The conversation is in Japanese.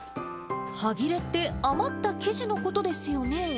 端切れって、余った生地のことですよね。